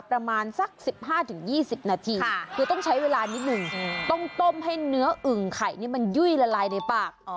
ประมาณสัก๑๕๒๐นาทีคือต้องใช้เวลานิดนึงต้องต้มให้เนื้ออึ่งไข่นี่มันยุ่ยละลายในปาก